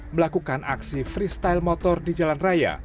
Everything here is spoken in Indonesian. melakukan aksi freestyle motor di jalan raya